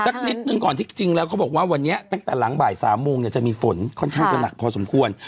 สักนิดหนึ่งก่อนที่จริงแล้วเขาบอกว่าวันนี้ตั้งแต่หลังบ่าย๓โมงเนี่ยจะมีฝนค่อนข้างจะหนักพอสมควร